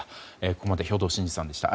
ここまで兵頭慎治さんでした。